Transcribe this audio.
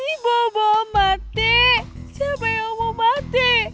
ini bobo mati siapa yang mau mati